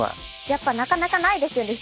やっぱなかなかないですよね。